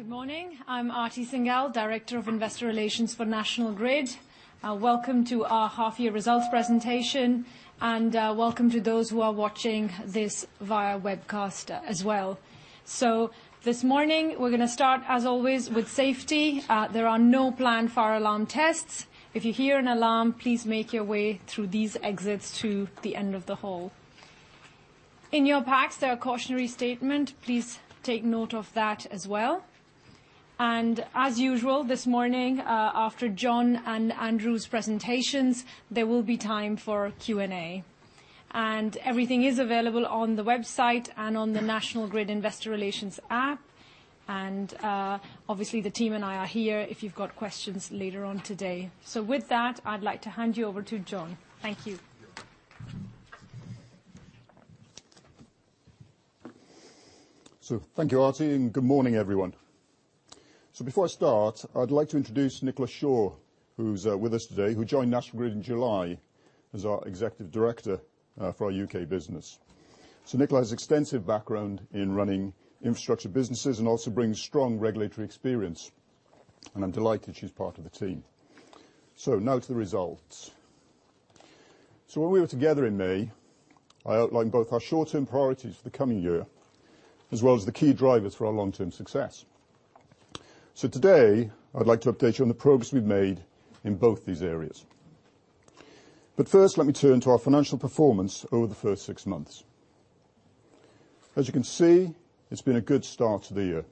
Good morning. I'm Aarti Singhal, Director of Investor Relations for National Grid. Welcome to our half-year results presentation, and welcome to those who are watching this via webcast as well. So this morning, we're going to start, as always, with safety. There are no planned fire alarm tests. If you hear an alarm, please make your way through these exits to the end of the hall. In your packs, there are cautionary statements. Please take note of that as well. And as usual, this morning, after John and Andrew's presentations, there will be time for Q&A. And everything is available on the website and on the National Grid Investor Relations app. And obviously, the team and I are here if you've got questions later on today. So with that, I'd like to hand you over to John. Thank you. Thank you, Aarti, and good morning, everyone. Before I start, I'd like to introduce Nicola Shaw, who's with us today, who joined National Grid in July as our Executive Director for our U.K. business. Nicola has extensive background in running infrastructure businesses and also brings strong regulatory experience. I'm delighted she's part of the team. Now to the results. When we were together in May, I outlined both our short-term priorities for the coming year as well as the key drivers for our long-term success. Today, I'd like to update you on the progress we've made in both these areas. First, let me turn to our financial performance over the first six months. As you can see, it's been a good start to the year.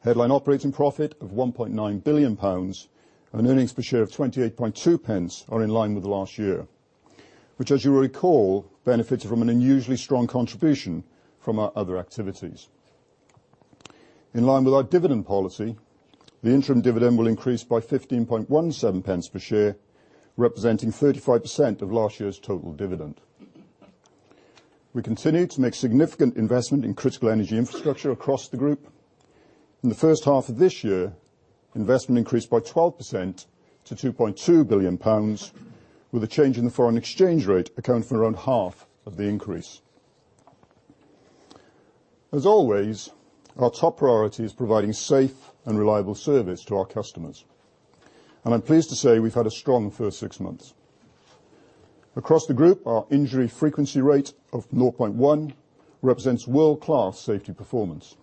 Headline operating profit of 1.9 billion pounds and earnings per share of 28.2 pence are in line with last year, which, as you will recall, benefited from an unusually strong contribution from our other activities. In line with our dividend policy, the interim dividend will increase by 15.17 pence per share, representing 35% of last year's total dividend. We continue to make significant investment in critical energy infrastructure across the group. In the first half of this year, investment increased by 12% to 2.2 billion pounds, with a change in the foreign exchange rate accounting for around half of the increase. As always, our top priority is providing safe and reliable service to our customers, and I'm pleased to say we've had a strong first six months. Across the group, our injury frequency rate of 0.1 represents world-class safety performance.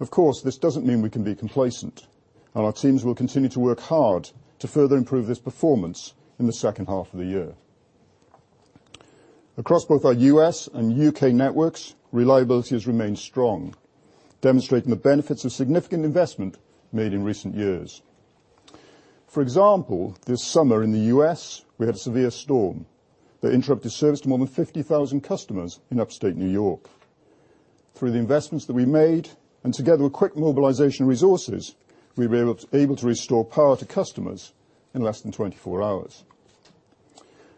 Of course, this doesn't mean we can be complacent, and our teams will continue to work hard to further improve this performance in the second half of the year. Across both our U.S. and U.K. networks, reliability has remained strong, demonstrating the benefits of significant investment made in recent years. For example, this summer in the U.S., we had a severe storm that interrupted service to more than 50,000 customers in upstate New York. Through the investments that we made, and together with quick mobilization resources, we were able to restore power to customers in less than 24 hours.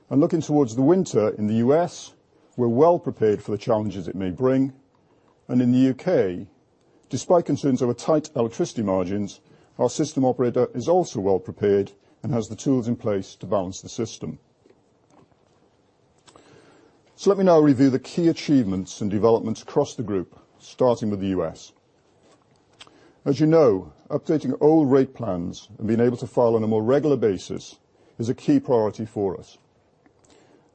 And looking towards the winter in the U.S., we're well prepared for the challenges it may bring. And in the U.K., despite concerns over tight electricity margins, our system operator is also well prepared and has the tools in place to balance the system. So let me now review the key achievements and developments across the group, starting with the U.S. As you know, updating old rate plans and being able to file on a more regular basis is a key priority for us.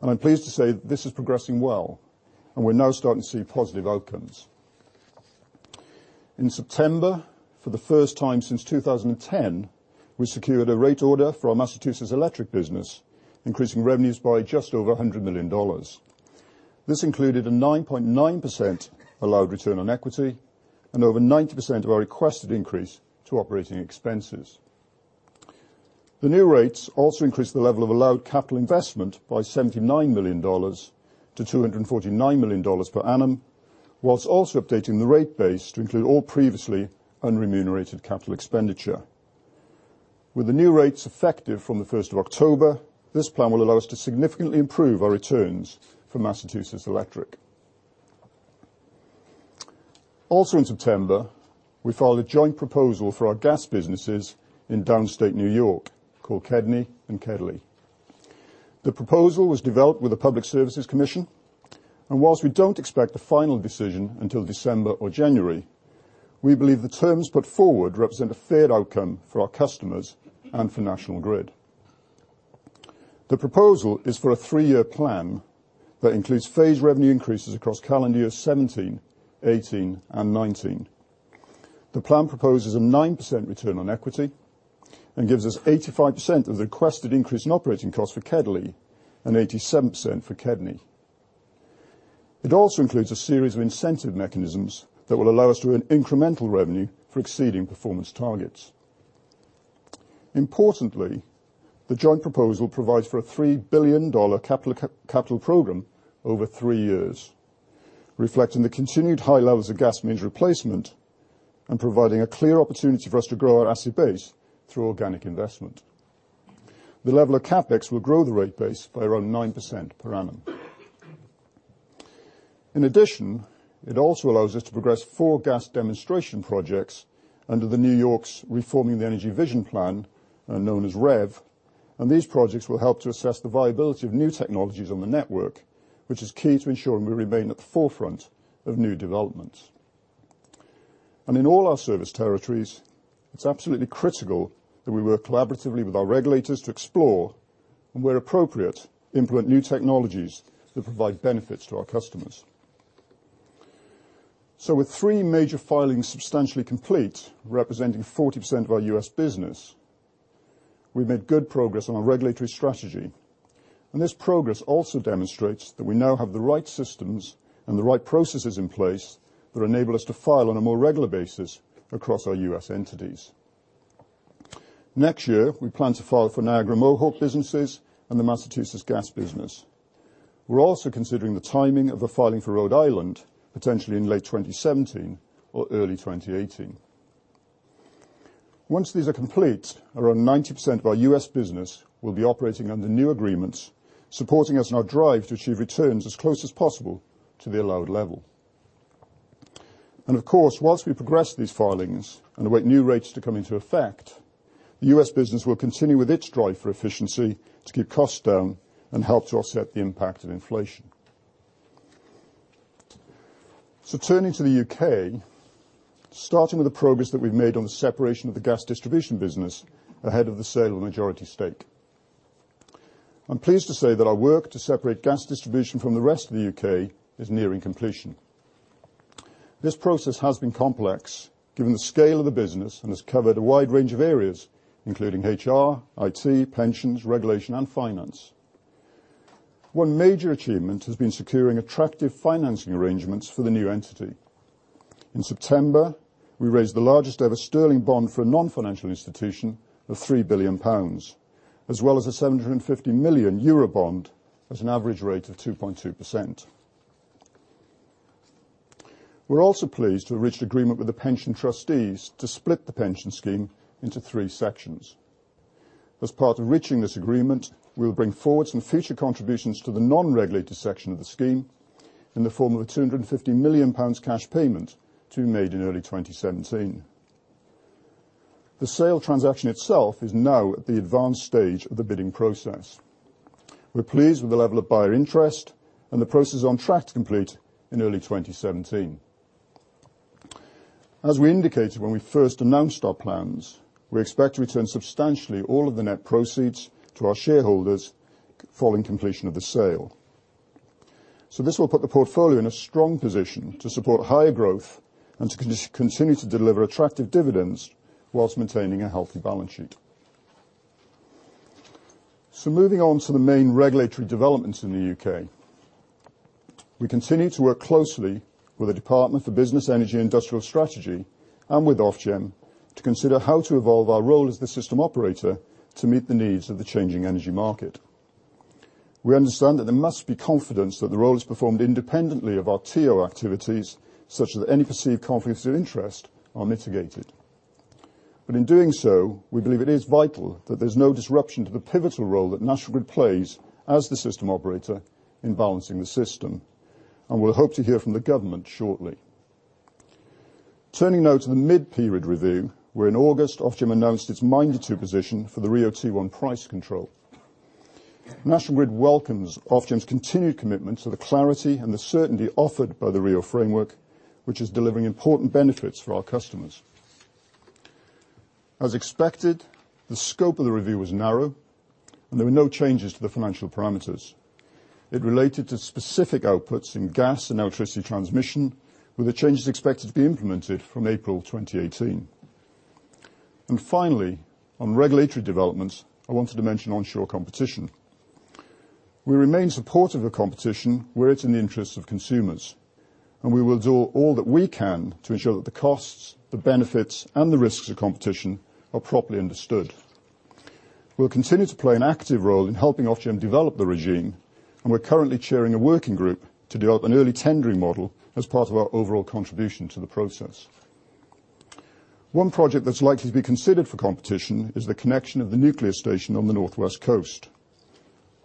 And I'm pleased to say this is progressing well, and we're now starting to see positive outcomes. In September, for the first time since 2010, we secured a rate order for our Massachusetts Electric business, increasing revenues by just over $100 million. This included a 9.9% allowed return on equity and over 90% of our requested increase to operating expenses. The new rates also increased the level of allowed capital investment by $79 million to $249 million per annum, whilst also updating the rate base to include all previously unremunerated capital expenditure. With the new rates effective from the 1st of October, this plan will allow us to significantly improve our returns for Massachusetts Electric. Also in September, we filed a joint proposal for our gas businesses in downstate New York called KEDNY and KEDLI. The proposal was developed with the Public Service Commission, and while we don't expect a final decision until December or January, we believe the terms put forward represent a fair outcome for our customers and for National Grid. The proposal is for a three-year plan that includes phased revenue increases across calendar years 2017, 2018, and 2019. The plan proposes a 9% return on equity and gives us 85% of the requested increase in operating costs for KEDLI and 87% for KEDNY. It also includes a series of incentive mechanisms that will allow us to earn incremental revenue for exceeding performance targets. Importantly, the joint proposal provides for a $3 billion capital program over three years, reflecting the continued high levels of gas mains replacement and providing a clear opportunity for us to grow our asset base through organic investment. The level of CapEx will grow the rate base by around 9% per annum. In addition, it also allows us to progress four gas demonstration projects under New York's Reforming the Energy Vision Plan, known as REV. These projects will help to assess the viability of new technologies on the network, which is key to ensuring we remain at the forefront of new developments. In all our service territories, it is absolutely critical that we work collaboratively with our regulators to explore, and where appropriate, implement new technologies that provide benefits to our customers. So with three major filings substantially complete, representing 40% of our U.S. business, we've made good progress on our regulatory strategy. And this progress also demonstrates that we now have the right systems and the right processes in place that enable us to file on a more regular basis across our U.S. entities. Next year, we plan to file for Niagara Mohawk businesses and the Massachusetts gas business. We're also considering the timing of the filing for Rhode Island, potentially in late 2017 or early 2018. Once these are complete, around 90% of our U.S. business will be operating under new agreements, supporting us in our drive to achieve returns as close as possible to the allowed level. Of course, whilst we progress these filings and await new rates to come into effect, the U.S. business will continue with its drive for efficiency to keep costs down and help to offset the impact of inflation. Turning to the U.K., starting with the progress that we've made on the separation of the gas distribution business ahead of the sale of the majority stake. I'm pleased to say that our work to separate gas distribution from the rest of the U.K. is nearing completion. This process has been complex, given the scale of the business, and has covered a wide range of areas, including HR, IT, pensions, regulation, and finance. One major achievement has been securing attractive financing arrangements for the new entity. In September, we raised the largest ever sterling bond for a non-financial institution of 3 billion pounds, as well as a 750 million Eurobond at an average rate of 2.2%. We're also pleased to have reached agreement with the pension trustees to split the pension scheme into three sections. As part of reaching this agreement, we will bring forward some future contributions to the non-regulated section of the scheme in the form of a 250 million pounds cash payment to be made in early 2017. The sale transaction itself is now at the advanced stage of the bidding process. We're pleased with the level of buyer interest, and the process is on track to complete in early 2017. As we indicated when we first announced our plans, we expect to return substantially all of the net proceeds to our shareholders following completion of the sale. So this will put the portfolio in a strong position to support higher growth and to continue to deliver attractive dividends whilst maintaining a healthy balance sheet. So moving on to the main regulatory developments in the U.K., we continue to work closely with the Department for Business, Energy and Industrial Strategy and with Ofgem to consider how to evolve our role as the system operator to meet the needs of the changing energy market. We understand that there must be confidence that the role is performed independently of our TO activities, such that any perceived conflicts of interest are mitigated. But in doing so, we believe it is vital that there's no disruption to the pivotal role that National Grid plays as the system operator in balancing the system, and we'll hope to hear from the government shortly. Turning now to the mid-period review, where in August, Ofgem announced its final position for the RIIO-T1 price control. National Grid welcomes Ofgem's continued commitment to the clarity and the certainty offered by the RIIO framework, which is delivering important benefits for our customers. As expected, the scope of the review was narrow, and there were no changes to the financial parameters. It related to specific outputs in gas and electricity transmission, with the changes expected to be implemented from April 2018. And finally, on regulatory developments, I wanted to mention onshore competition. We remain supportive of competition where it's in the interests of consumers, and we will do all that we can to ensure that the costs, the benefits, and the risks of competition are properly understood. We'll continue to play an active role in helping Ofgem develop the regime, and we're currently chairing a working group to develop an early tendering model as part of our overall contribution to the process. One project that's likely to be considered for competition is the connection of the nuclear station on the northwest coast.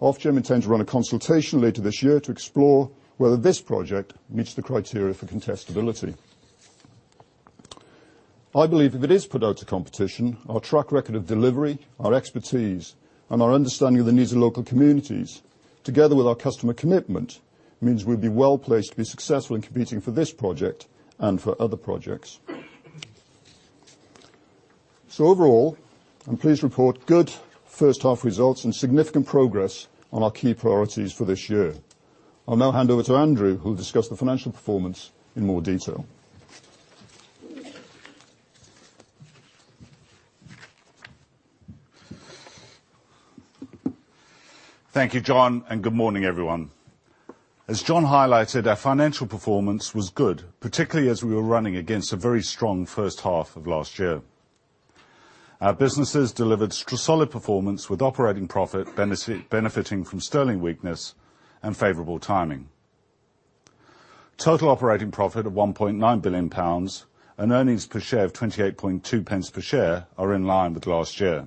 Ofgem intends to run a consultation later this year to explore whether this project meets the criteria for contestability. I believe if it is put out to competition, our track record of delivery, our expertise, and our understanding of the needs of local communities, together with our customer commitment, means we'll be well placed to be successful in competing for this project and for other projects. So overall, I'm pleased to report good first half results and significant progress on our key priorities for this year. I'll now hand over to Andrew, who will discuss the financial performance in more detail. Thank you, John, and good morning, everyone. As John highlighted, our financial performance was good, particularly as we were running against a very strong first half of last year. Our businesses delivered solid performance with operating profit benefiting from sterling weakness and favorable timing. Total operating profit of 1.9 billion pounds and earnings per share of 28.2 pence per share are in line with last year.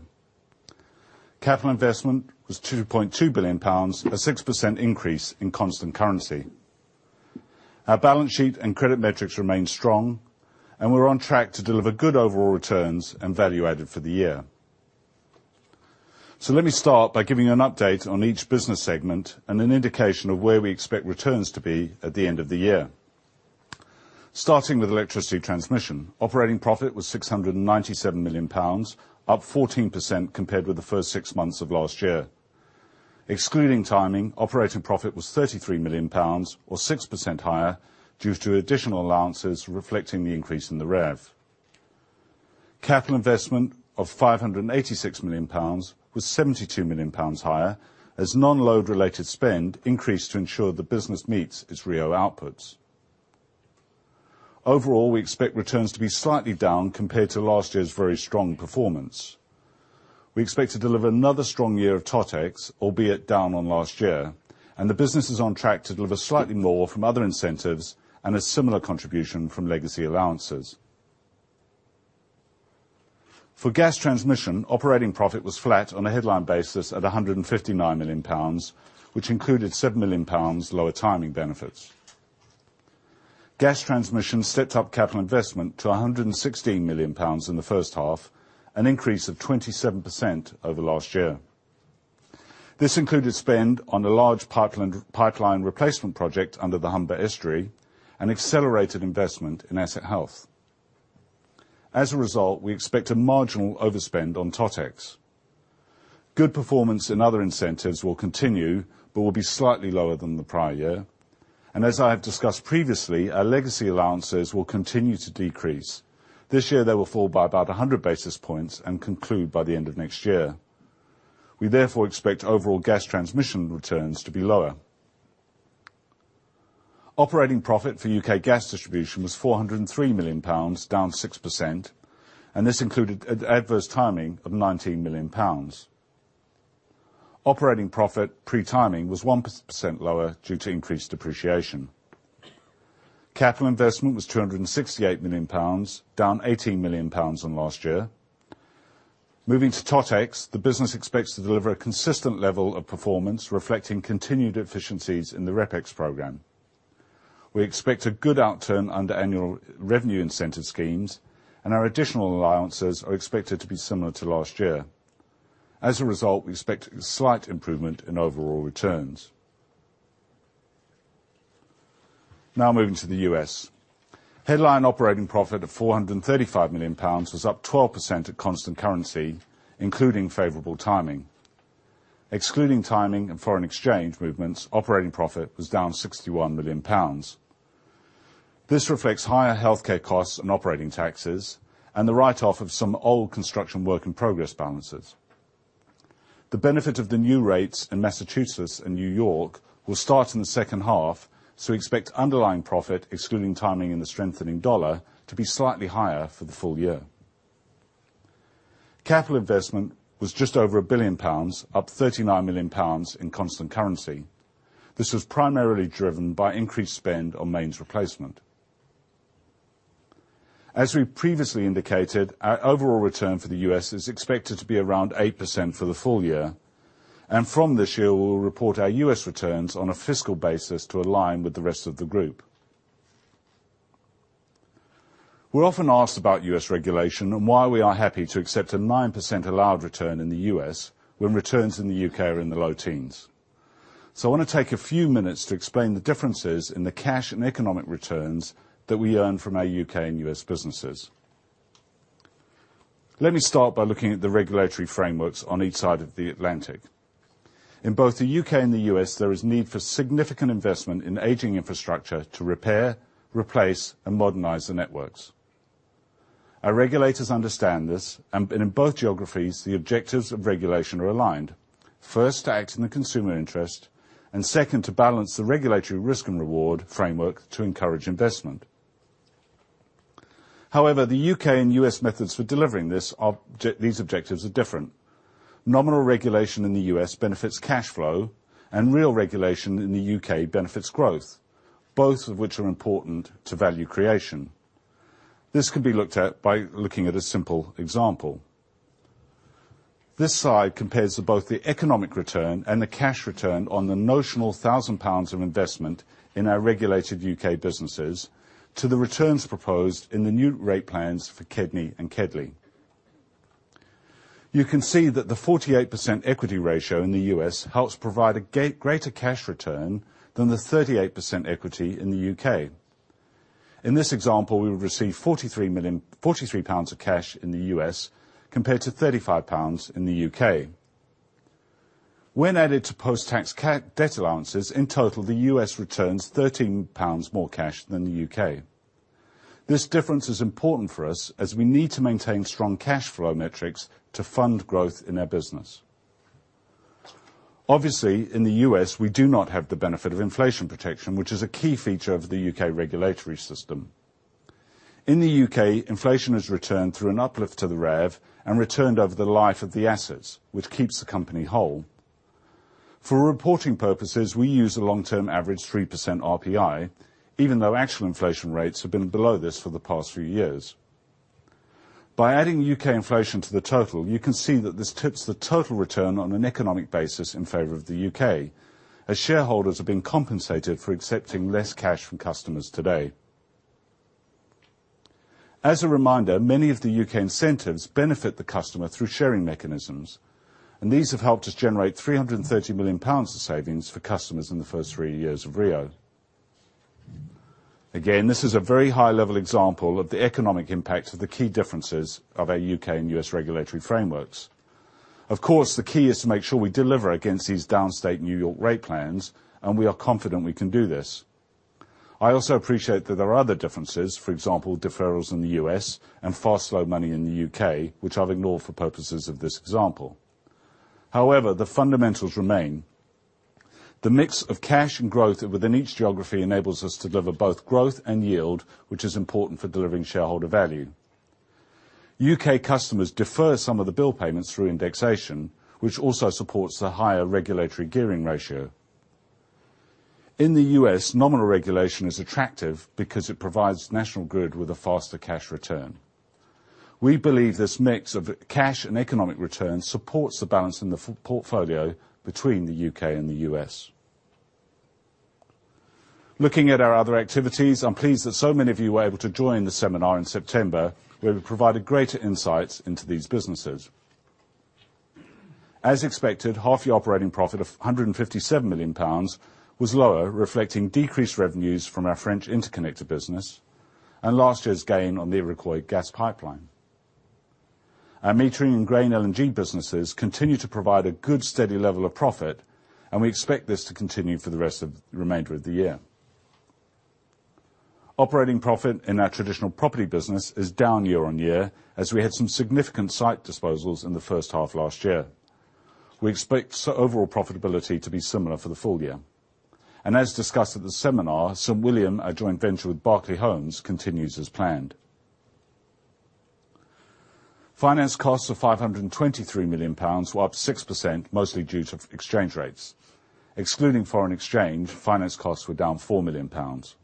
Capital investment was 2.2 billion pounds, a 6% increase in constant currency. Our balance sheet and credit metrics remain strong, and we're on track to deliver good overall returns and value added for the year. So let me start by giving you an update on each business segment and an indication of where we expect returns to be at the end of the year. Starting with electricity transmission, operating profit was 697 million pounds, up 14% compared with the first six months of last year. Excluding timing, operating profit was 33 million pounds, or 6% higher, due to additional allowances reflecting the increase in the RAV. Capital investment of 586 million pounds was 72 million pounds higher, as non-load-related spend increased to ensure the business meets its RIIO outputs. Overall, we expect returns to be slightly down compared to last year's very strong performance. We expect to deliver another strong year of TOTEX, albeit down on last year, and the business is on track to deliver slightly more from other incentives and a similar contribution from legacy allowances. For gas transmission, operating profit was flat on a headline basis at 159 million pounds, which included 7 million pounds lower timing benefits. Gas transmission stepped up capital investment to 116 million pounds in the first half, an increase of 27% over last year. This included spend on a large pipeline replacement project under the Humber Estuary and accelerated investment in asset health. As a result, we expect a marginal overspend on TOTEX. Good performance in other incentives will continue, but will be slightly lower than the prior year, and as I have discussed previously, our legacy allowances will continue to decrease. This year, they will fall by about 100 basis points and conclude by the end of next year. We therefore expect overall gas transmission returns to be lower. Operating profit for U.K. gas distribution was 403 million pounds, down 6%, and this included adverse timing of 19 million pounds. Operating profit pre-timing was 1% lower due to increased depreciation. Capital investment was 268 million pounds, down 18 million pounds from last year. Moving to TOTEX, the business expects to deliver a consistent level of performance reflecting continued efficiencies in the REPEX program. We expect a good outturn under annual revenue incentive schemes, and our additional allowances are expected to be similar to last year. As a result, we expect a slight improvement in overall returns. Now moving to the U.S., headline operating profit of 435 million pounds was up 12% at constant currency, including favorable timing. Excluding timing and foreign exchange movements, operating profit was down 61 million pounds. This reflects higher healthcare costs and operating taxes, and the write-off of some old construction work in progress balances. The benefit of the new rates in Massachusetts and New York will start in the second half, so we expect underlying profit, excluding timing and the strengthening dollar, to be slightly higher for the full-year. Capital investment was just over 1 billion pounds, up 39 million pounds in constant currency. This was primarily driven by increased spend on mains replacement. As we previously indicated, our overall return for the U.S. is expected to be around 8% for the full-year, and from this year, we will report our U.S. returns on a fiscal basis to align with the rest of the group. We're often asked about U.S. regulation and why we are happy to accept a 9% allowed return in the U.S. when returns in the U.K. are in the low teens. So I want to take a few minutes to explain the differences in the cash and economic returns that we earn from our U.K. and U.S. businesses. Let me start by looking at the regulatory frameworks on each side of the Atlantic. In both the U.K. and the U.S., there is need for significant investment in aging infrastructure to repair, replace, and modernize the networks. Our regulators understand this, and in both geographies, the objectives of regulation are aligned: first, to act in the consumer interest, and second, to balance the regulatory risk and reward framework to encourage investment. However, the U.K. and U.S. methods for delivering these objectives are different. Nominal regulation in the U.S. benefits cash flow, and real regulation in the U.K. benefits growth, both of which are important to value creation. This can be looked at by looking at a simple example. This slide compares both the economic return and the cash return on the notional 1,000 pounds of investment in our regulated U.K. businesses to the returns proposed in the new rate plans for KEDNY and KEDLI. You can see that the 48% equity ratio in the U.S. helps provide a greater cash return than the 38% equity in the U.K.. In this example, we would receive 43 million pounds of cash in the U.S. compared to 35 million pounds in the U.K.. When added to post-tax debt allowances, in total, the U.S. returns 13 pounds more cash than the U.K.. This difference is important for us as we need to maintain strong cash flow metrics to fund growth in our business. Obviously, in the U.S., we do not have the benefit of inflation protection, which is a key feature of the U.K. regulatory system. In the U.K., inflation has returned through an uplift to the RAV and returned over the life of the assets, which keeps the company whole. For reporting purposes, we use a long-term average 3% RPI, even though actual inflation rates have been below this for the past few years. By adding U.K. inflation to the total, you can see that this tips the total return on an economic basis in favor of the U.K., as shareholders have been compensated for accepting less cash from customers today. As a reminder, many of the U.K. incentives benefit the customer through sharing mechanisms, and these have helped us generate 330 million pounds of savings for customers in the first three years of RIIO. Again, this is a very high-level example of the economic impact of the key differences of our U.K. and U.S. regulatory frameworks. Of course, the key is to make sure we deliver against these downstate New York rate plans, and we are confident we can do this. I also appreciate that there are other differences, for example, deferrals in the U.S. and fast money in the U.K., which I've ignored for purposes of this example. However, the fundamentals remain. The mix of cash and growth within each geography enables us to deliver both growth and yield, which is important for delivering shareholder value. U.K. customers defer some of the bill payments through indexation, which also supports the higher regulatory gearing ratio. In the U.S., nominal regulation is attractive because it provides National Grid with a faster cash return. We believe this mix of cash and economic return supports the balance in the portfolio between the U.K. and the U.S. Looking at our other activities, I'm pleased that so many of you were able to join the seminar in September, where we provided greater insights into these businesses. As expected, Other operating profit of 157 million pounds was lower, reflecting decreased revenues from our French Interconnector business and last year's gain on the Iroquois Gas Pipeline. Our metering and Grain LNG businesses continue to provide a good steady level of profit, and we expect this to continue for the remainder of the year. Operating profit in our traditional property business is down year on year, as we had some significant site disposals in the first half last year. We expect overall profitability to be similar for the full-year. And as discussed at the seminar, St William, a joint venture with Berkeley Group, continues as planned. Finance costs of 523 million pounds were up 6%, mostly due to exchange rates. Excluding foreign exchange, finance costs were down 4 million pounds.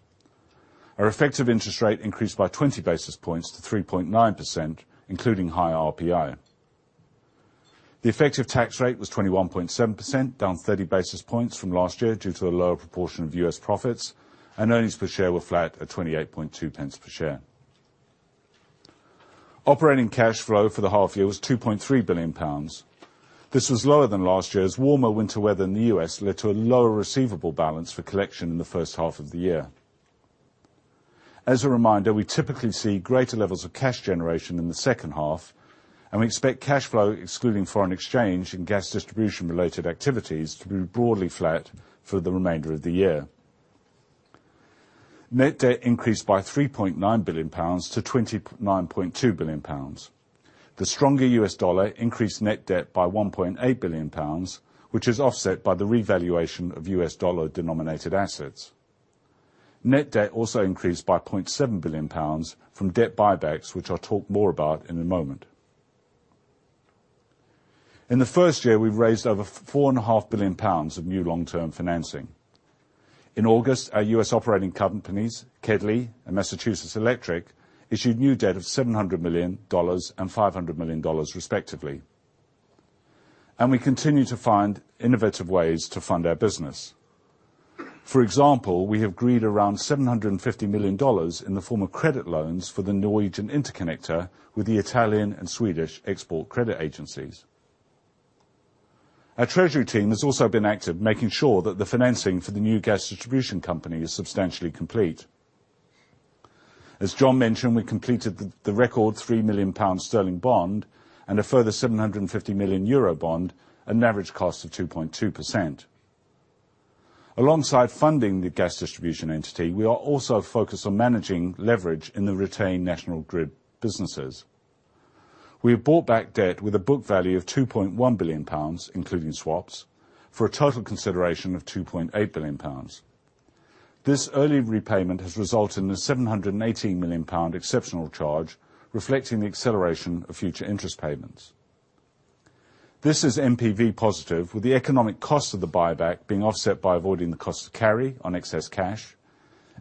Our effective interest rate increased by 20 basis points to 3.9%, including higher RPI. The effective tax rate was 21.7%, down 30 basis points from last year due to a lower proportion of U.S. profits, and earnings per share were flat at 28.2 pence per share. Operating cash flow for the half year was 2.3 billion pounds. This was lower than last year. Warmer winter weather in the U.S. led to a lower receivable balance for collection in the first half of the year. As a reminder, we typically see greater levels of cash generation in the second half, and we expect cash flow, excluding foreign exchange and gas distribution-related activities, to be broadly flat for the remainder of the year. Net debt increased by 3.9 billion pounds to 29.2 billion pounds. The stronger U.S. dollar increased net debt by 1.8 billion pounds, which is offset by the revaluation of U.S. dollar-denominated assets. Net debt also increased by 0.7 billion pounds from debt buybacks, which I'll talk more about in a moment. In the first year, we raised over 4.5 billion pounds of new long-term financing. In August, our U.S. operating companies, KEDLI and Massachusetts Electric, issued new debt of $700 million and $500 million, respectively. We continue to find innovative ways to fund our business. For example, we have agreed around $750 million in the form of credit loans for the Norwegian interconnector with the Italian and Swedish export credit agencies. Our treasury team has also been active, making sure that the financing for the new gas distribution company is substantially complete. As John mentioned, we completed the record 3 billion sterling bond and a further 750 million Eurobond at an average cost of 2.2%. Alongside funding the gas distribution entity, we are also focused on managing leverage in the retained National Grid businesses. We have bought back debt with a book value of 2.1 billion pounds, including swaps, for a total consideration of 2.8 billion pounds. This early repayment has resulted in a 718 million pound exceptional charge, reflecting the acceleration of future interest payments. This is NPV positive, with the economic cost of the buyback being offset by avoiding the cost of carry on excess cash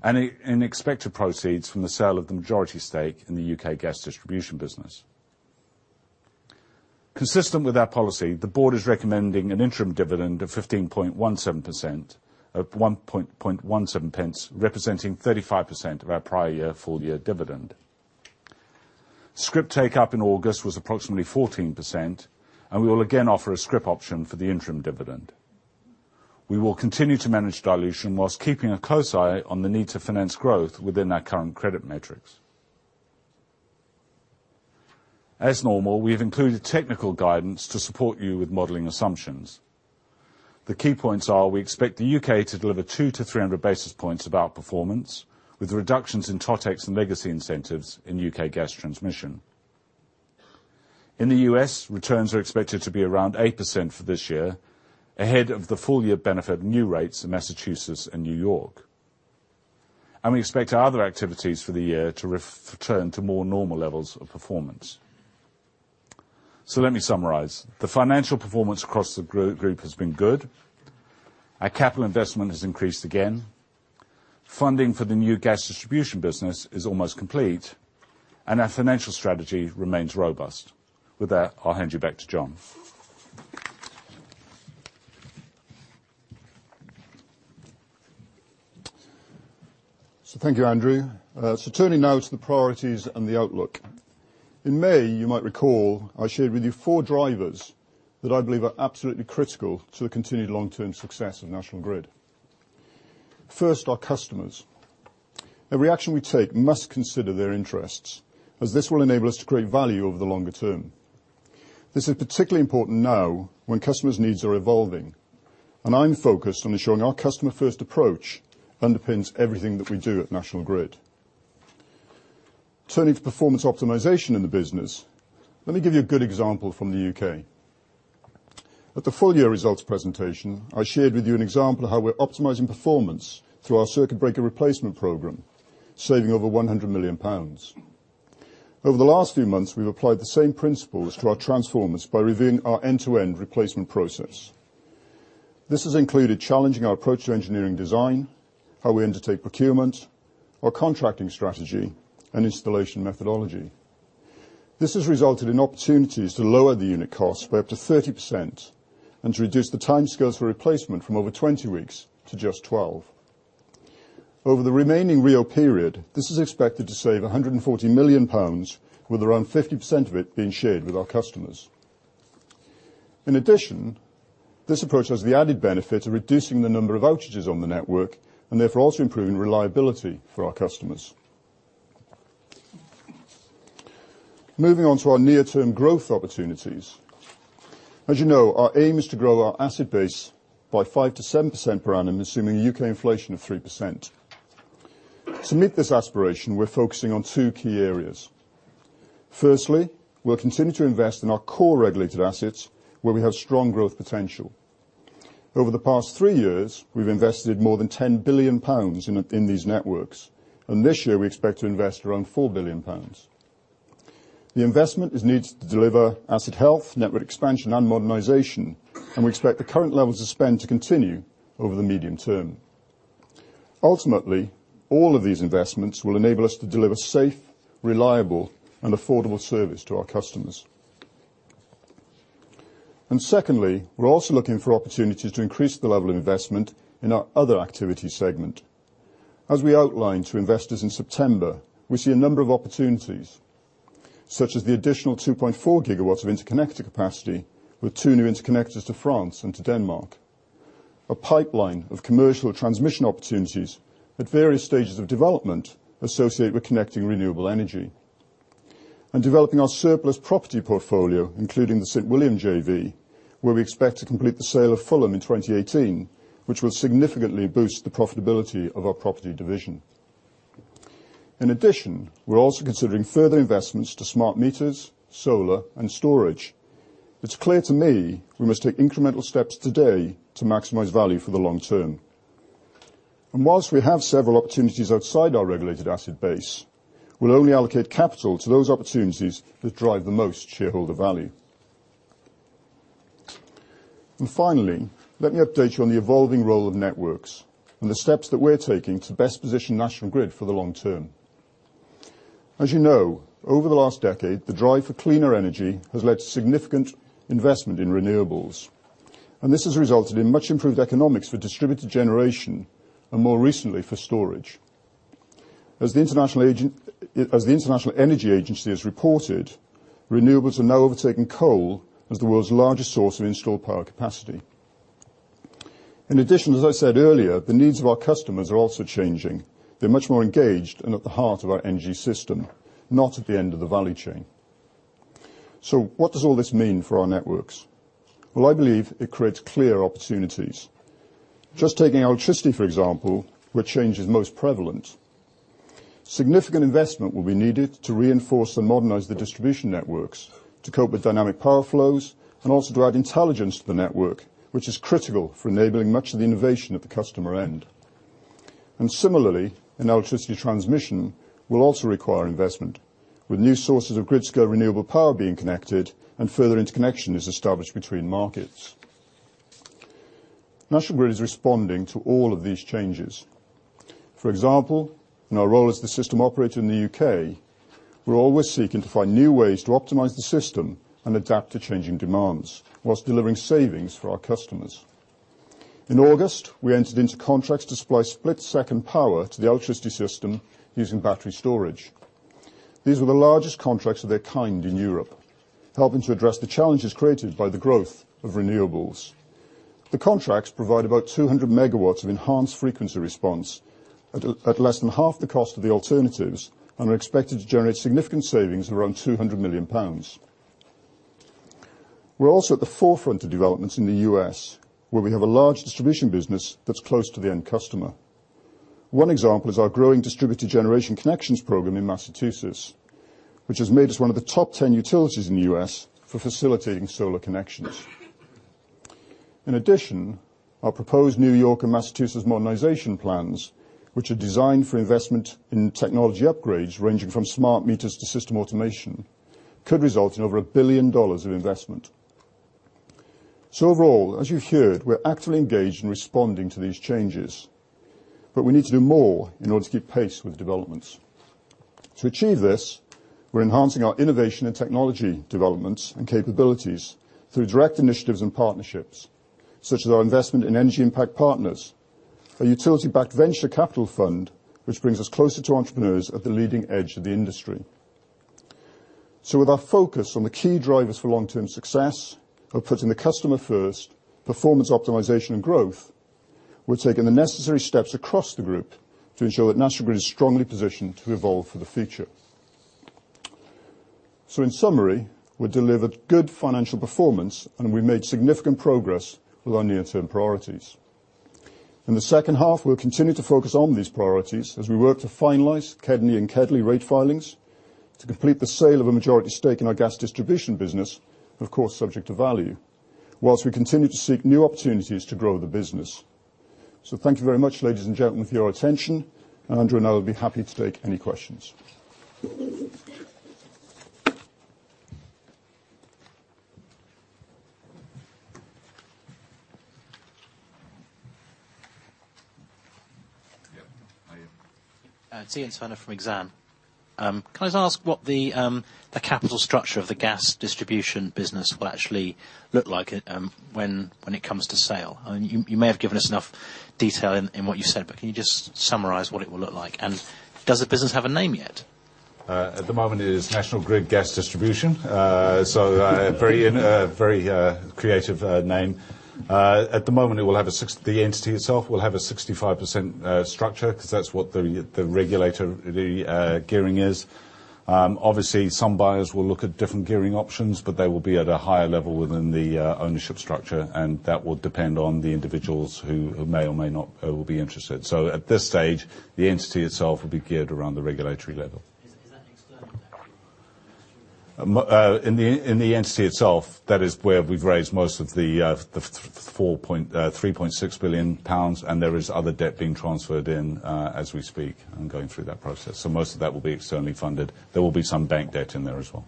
and in expected proceeds from the sale of the majority stake in the U.K. gas distribution business. Consistent with our policy, the board is recommending an interim dividend of 15.17 pence, representing 35% of our prior year full-year dividend. Scrip take-up in August was approximately 14%, and we will again offer a scrip option for the interim dividend. We will continue to manage dilution while keeping a close eye on the need to finance growth within our current credit metrics. As normal, we have included technical guidance to support you with modeling assumptions. The key points are we expect the U.K. to deliver 200-300 basis points of outperformance, with reductions in TOTEX and legacy incentives in U.K. gas transmission. In the U.S., returns are expected to be around 8% for this year, ahead of the full-year benefit of new rates in Massachusetts and New York. And we expect our other activities for the year to return to more normal levels of performance. So let me summarize. The financial performance across the group has been good. Our capital investment has increased again. Funding for the new gas distribution business is almost complete, and our financial strategy remains robust. With that, I'll hand you back to John. So thank you, Andrew. So turning now to the priorities and the outlook. In May, you might recall I shared with you four drivers that I believe are absolutely critical to the continued long-term success of National Grid. First, our customers. Every action we take must consider their interests, as this will enable us to create value over the longer term. This is particularly important now when customers' needs are evolving, and I'm focused on ensuring our customer-first approach underpins everything that we do at National Grid. Turning to performance optimization in the business, let me give you a good example from the U.K. At the full-year results presentation, I shared with you an example of how we're optimizing performance through our circuit breaker replacement program, saving over 100 million pounds. Over the last few months, we've applied the same principles to our transformers by reviewing our end-to-end replacement process. This has included challenging our approach to engineering design, how we undertake procurement, our contracting strategy, and installation methodology. This has resulted in opportunities to lower the unit cost by up to 30% and to reduce the time scales for replacement from over 20 weeks to just 12. Over the remaining RIIO period, this is expected to save 140 million pounds, with around 50% of it being shared with our customers. In addition, this approach has the added benefit of reducing the number of outages on the network and therefore also improving reliability for our customers. Moving on to our near-term growth opportunities. As you know, our aim is to grow our asset base by 5%-7% per annum, assuming a U.K. inflation of 3%. To meet this aspiration, we're focusing on two key areas. Firstly, we'll continue to invest in our core regulated assets, where we have strong growth potential. Over the past three years, we've invested more than 10 billion pounds in these networks, and this year we expect to invest around 4 billion pounds. The investment is needed to deliver asset health, network expansion, and modernization, and we expect the current levels of spend to continue over the medium term. Ultimately, all of these investments will enable us to deliver safe, reliable, and affordable service to our customers. And secondly, we're also looking for opportunities to increase the level of investment in our other activity segment. As we outlined to investors in September, we see a number of opportunities, such as the additional 2.4 GW of interconnector capacity with two new interconnectors to France and to Denmark, a pipeline of commercial transmission opportunities at various stages of development associated with connecting renewable energy, and developing our surplus property portfolio, including the St William JV, where we expect to complete the sale of Fulham in 2018, which will significantly boost the profitability of our property division. In addition, we're also considering further investments to smart meters, solar, and storage. It's clear to me we must take incremental steps today to maximize value for the long term. And whilst we have several opportunities outside our regulated asset base, we'll only allocate capital to those opportunities that drive the most shareholder value. And finally, let me update you on the evolving role of networks and the steps that we're taking to best position National Grid for the long term. As you know, over the last decade, the drive for cleaner energy has led to significant investment in renewables, and this has resulted in much improved economics for distributed generation and, more recently, for storage. As the International Energy Agency has reported, renewables are now overtaking coal as the world's largest source of installed power capacity. In addition, as I said earlier, the needs of our customers are also changing. They're much more engaged and at the heart of our energy system, not at the end of the value chain. So what does all this mean for our networks? Well, I believe it creates clear opportunities. Just taking electricity, for example, where change is most prevalent. Significant investment will be needed to reinforce and modernize the distribution networks to cope with dynamic power flows and also to add intelligence to the network, which is critical for enabling much of the innovation at the customer end. And similarly, electricity transmission will also require investment, with new sources of grid-scale renewable power being connected and further interconnection is established between markets. National Grid is responding to all of these changes. For example, in our role as the system operator in the U.K., we're always seeking to find new ways to optimize the system and adapt to changing demands whilst delivering savings for our customers. In August, we entered into contracts to supply split-second power to the electricity system using battery storage. These were the largest contracts of their kind in Europe, helping to address the challenges created by the growth of renewables. The contracts provide about 200 MW of Enhanced Frequency Response at less than half the cost of the alternatives and are expected to generate significant savings of around 200 million pounds. We're also at the forefront of developments in the U.S., where we have a large distribution business that's close to the end customer. One example is our growing distributed generation connections program in Massachusetts, which has made us one of the top 10 utilities in the U.S. for facilitating solar connections. In addition, our proposed New York and Massachusetts modernization plans, which are designed for investment in technology upgrades ranging from smart meters to system automation, could result in over $1 billion of investment. So overall, as you've heard, we're actively engaged in responding to these changes, but we need to do more in order to keep pace with developments. To achieve this, we're enhancing our innovation and technology developments and capabilities through direct initiatives and partnerships, such as our investment in Energy Impact Partners, a utility-backed venture capital fund, which brings us closer to entrepreneurs at the leading edge of the industry, so with our focus on the key drivers for long-term success of putting the customer first, performance optimization, and growth, we're taking the necessary steps across the group to ensure that National Grid is strongly positioned to evolve for the future, so in summary, we've delivered good financial performance, and we've made significant progress with our near-term priorities. In the second half, we'll continue to focus on these priorities as we work to finalize KEDNY and KEDLI rate filings to complete the sale of a majority stake in our gas distribution business, of course, subject to value, whilst we continue to seek new opportunities to grow the business. So thank you very much, ladies and gentlemen, for your attention. Andrew and I will be happy to take any questions. Yeah, I am. It's Iain Turner from Exane. Can I just ask what the capital structure of the gas distribution business will actually look like when it comes to sale? You may have given us enough detail in what you've said, but can you just summarize what it will look like? And does the business have a name yet? At the moment, it is National Grid Gas Distribution. So a very creative name. At the moment, the entity itself will have a 65% structure because that's what the regulatory gearing is. Obviously, some buyers will look at different gearing options, but they will be at a higher level within the ownership structure, and that will depend on the individuals who may or may not be interested. So at this stage, the entity itself will be geared around the regulatory level. In the entity itself, that is where we've raised most of the 3.6 billion pounds, and there is other debt being transferred in as we speak and going through that process. So most of that will be externally funded. There will be some bank debt in there as well.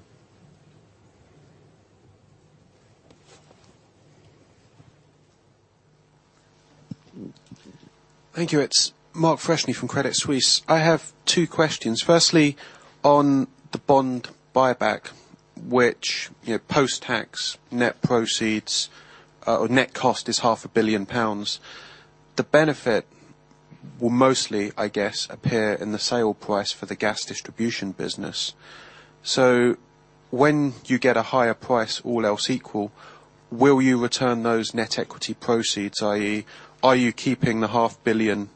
Thank you. It's Mark Freshney from Credit Suisse. I have two questions. Firstly, on the bond buyback, which post-tax net proceeds or net cost is 500 million pounds, the benefit will mostly, I guess, appear in the sale price for the gas distribution business. So when you get a higher price, all else equal, will you return those net equity proceeds, i.e., are you keeping the 500 million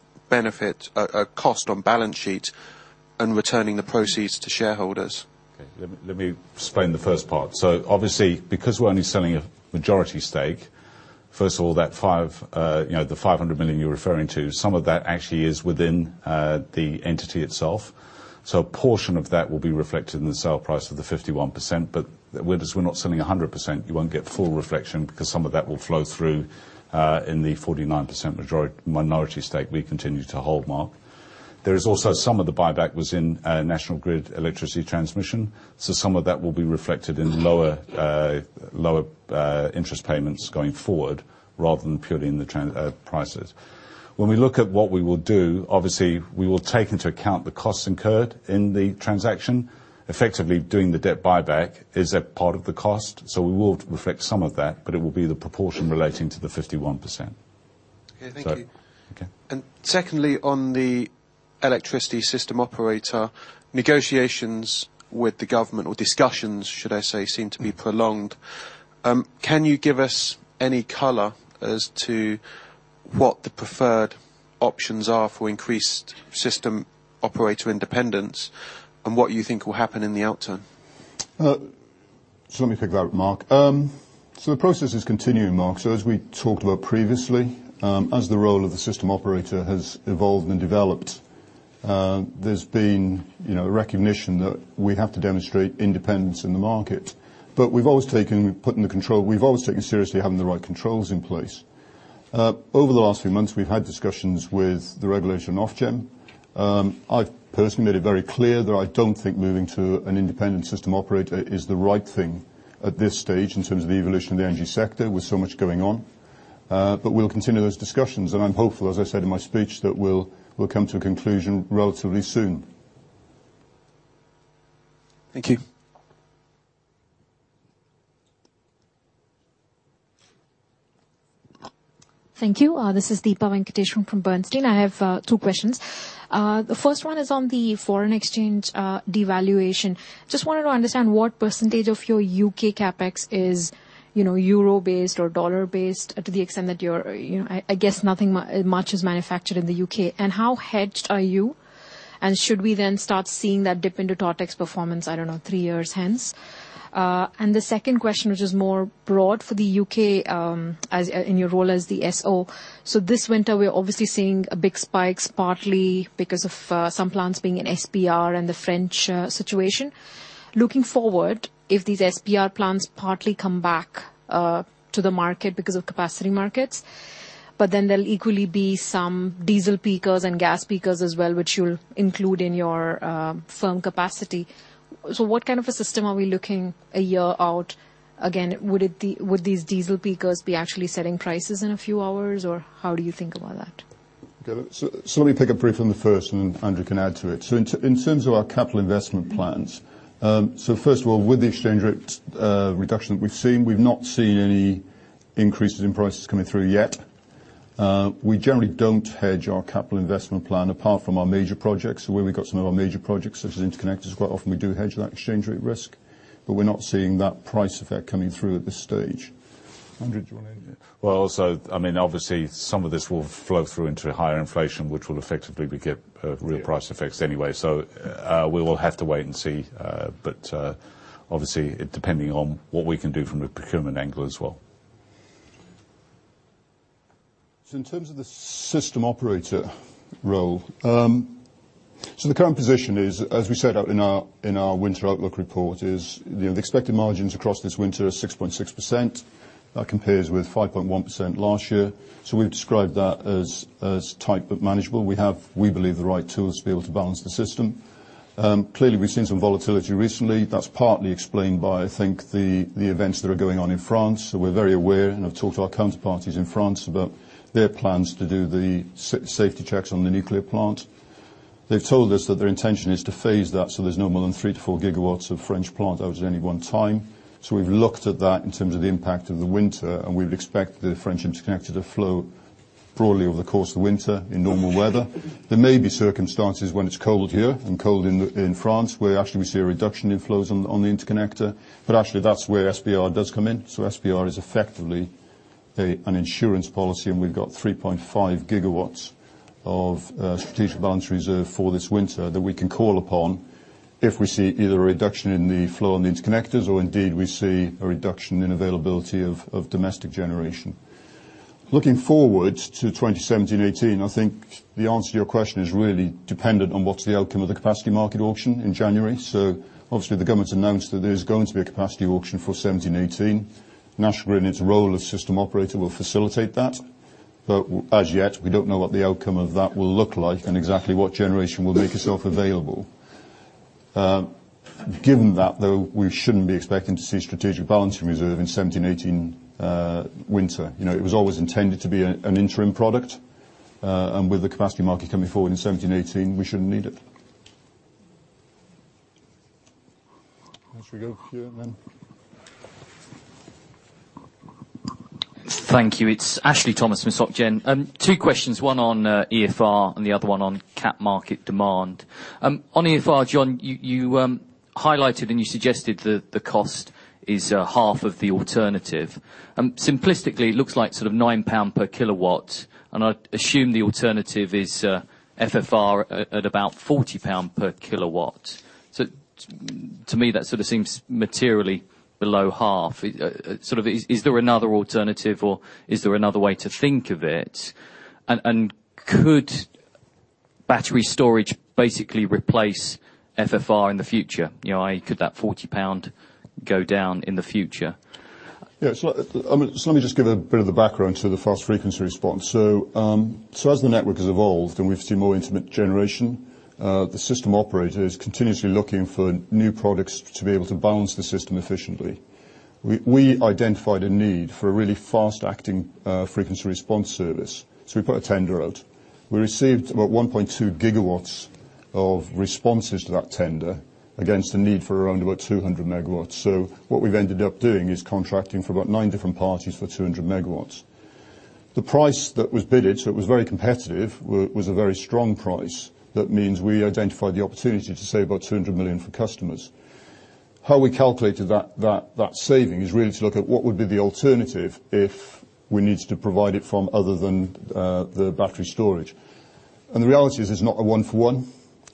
cost on balance sheet and returning the proceeds to shareholders? Okay. Let me explain the first part. So obviously, because we're only selling a majority stake, first of all, that 500, the 500 million you're referring to, some of that actually is within the entity itself. So a portion of that will be reflected in the sale price of the 51%. But as we're not selling 100%, you won't get full reflection because some of that will flow through in the 49% minority stake we continue to hold, Mark. There is also some of the buyback was in National Grid electricity transmission. So some of that will be reflected in lower interest payments going forward rather than purely in the prices. When we look at what we will do, obviously, we will take into account the costs incurred in the transaction. Effectively, doing the debt buyback is a part of the cost. So we will reflect some of that, but it will be the proportion relating to the 51%. Okay. Thank you, and secondly, on the electricity system operator, negotiations with the government, or discussions, should I say, seem to be prolonged. Can you give us any color as to what the preferred options are for increased system operator independence and what you think will happen in the outcome? So let me pick that up, Mark, so the process is continuing, Mark. So as we talked about previously, as the role of the system operator has evolved and developed, there's been a recognition that we have to demonstrate independence in the market. But we've always taken seriously having the right controls in place. Over the last few months, we've had discussions with the regulator in Ofgem. I've personally made it very clear that I don't think moving to an independent system operator is the right thing at this stage in terms of the evolution of the energy sector with so much going on. But we'll continue those discussions, and I'm hopeful, as I said in my speech, that we'll come to a conclusion relatively soon. Thank you. Thank you. This is Deepa Venkateswaran from Bernstein. I have two questions. The first one is on the foreign exchange devaluation. Just wanted to understand what percentage of your U.K. CapEx is euro-based or dollar-based to the extent that you're, I guess nothing much is manufactured in the U.K.. And how hedged are you? And should we then start seeing that dip into TOTEX performance, I don't know, three years hence? And the second question, which is more broad for the U.K. in your role as the SO. So this winter, we're obviously seeing big spikes, partly because of some plants being in SBR and the French situation. Looking forward, if these SBR plants partly come back to the market because of capacity markets, but then there'll equally be some diesel peakers and gas peakers as well, which you'll include in your firm capacity. So what kind of a system are we looking a year out? Again, would these diesel peakers be actually setting prices in a few hours, or how do you think about that? So let me pick up briefly on the first, and Andrew can add to it. So in terms of our capital investment plans, so first of all, with the exchange rate reduction that we've seen, we've not seen any increases in prices coming through yet. We generally don't hedge our capital investment plan apart from our major projects. So where we've got some of our major projects, such as interconnectors, quite often we do hedge that exchange rate risk, but we're not seeing that price effect coming through at this stage. Andrew, do you want to? Well, so I mean, obviously, some of this will flow through into higher inflation, which will effectively get real price effects anyway. We will have to wait and see, but obviously, depending on what we can do from a procurement angle as well. In terms of the system operator role, the current position is, as we said in our winter outlook report, the expected margins across this winter are 6.6%. That compares with 5.1% last year. We've described that as tight but manageable. We have, we believe, the right tools to be able to balance the system. Clearly, we've seen some volatility recently. That's partly explained by, I think, the events that are going on in France. We're very aware and have talked to our counterparties in France about their plans to do the safety checks on the nuclear plant. They've told us that their intention is to phase that so there's no more than three to four GW of French plant out at any one time. So we've looked at that in terms of the impact of the winter, and we would expect the French interconnector to flow broadly over the course of the winter in normal weather. There may be circumstances when it's cold here and cold in France where actually we see a reduction in flows on the interconnector, but actually that's where SBR does come in. So SBR is effectively an insurance policy, and we've got 3.5 GW of Strategic Balancing Reserve for this winter that we can call upon if we see either a reduction in the flow on the interconnectors or indeed we see a reduction in availability of domestic generation. Looking forward to 2017-2018, I think the answer to your question is really dependent on what's the outcome of the capacity market auction in January. So obviously, the government's announced that there's going to be a capacity auction for 2017-2018. National Grid, in its role as system operator, will facilitate that, but as yet, we don't know what the outcome of that will look like and exactly what generation will make itself available. Given that, though, we shouldn't be expecting to see Strategic Balancing Reserve in 2017-2018 winter. It was always intended to be an interim product, and with the capacity market coming forward in 2017-2018, we shouldn't need it. Thank you. It's Ashley Thomas from Societe Generale. Two questions. One on EFR and the other one on cap market demand. On EFR, John, you highlighted and you suggested that the cost is half of the alternative. Simplistically, it looks like sort of 9 pound per kilowatt, and I assume the alternative is FFR at about 40 pound per kilowatt. So to me, that sort of seems materially below half. Is there another alternative, or is there another way to think of it? Could battery storage basically replace FFR in the future? Could that 40 pound go down in the future? Yeah. Let me just give a bit of the background to the fast frequency response. As the network has evolved and we've seen more intermittent generation, the system operator is continuously looking for new products to be able to balance the system efficiently. We identified a need for a really fast-acting frequency response service. We put a tender out. We received about 1.2 GW of responses to that tender against a need for around about 200 MW. What we've ended up doing is contracting for about nine different parties for 200 MW. The price that was bid, so it was very competitive, was a very strong price. That means we identified the opportunity to save about 200 million for customers. How we calculated that saving is really to look at what would be the alternative if we needed to provide it from other than the battery storage. And the reality is it's not a one-for-one.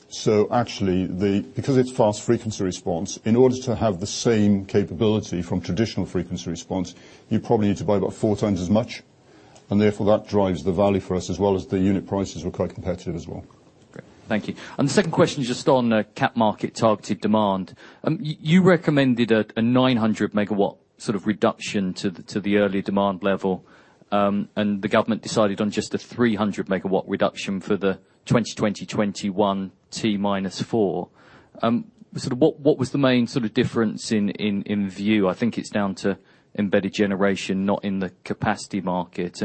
So actually, because it's fast frequency response, in order to have the same capability from traditional frequency response, you probably need to buy about four times as much. And therefore, that drives the value for us as well as the unit prices were quite competitive as well. Great. Thank you. And the second question is just on Capacity Market targeted demand. You recommended a 900 MW sort of reduction to the early demand level, and the government decided on just a 300 MW reduction for the 2020-21 T-4. What was the main sort of difference in view? I think it's down to embedded generation, not in the capacity market.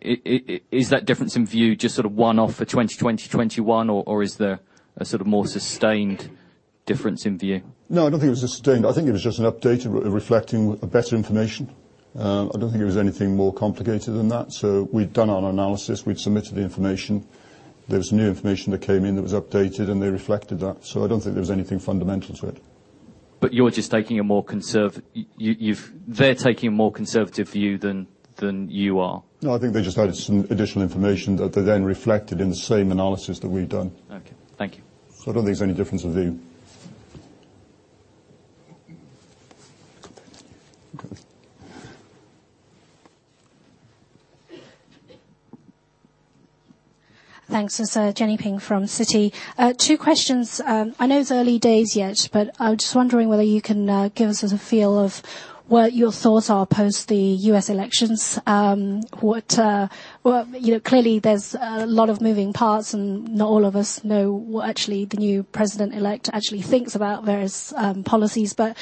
Is that difference in view just sort of one-off for 2020-2021, or is there a sort of more sustained difference in view? No, I don't think it was sustained. I think it was just an update reflecting better information. I don't think it was anything more complicated than that. So we've done our analysis. We've submitted the information. There was new information that came in that was updated, and they reflected that. So I don't think there was anything fundamental to it. But you're just taking a more conservative—they're taking a more conservative view than you are? No, I think they just added some additional information that they then reflected in the same analysis that we've done. Okay. Thank you. So I don't think there's any difference of view. Thanks. This is Jenny Ping from Citi. Two questions. I know it's early days yet, but I'm just wondering whether you can give us a feel of what your thoughts are post the U.S. elections. Clearly, there's a lot of moving parts, and not all of us know what actually the new president-elect actually thinks about various policies. But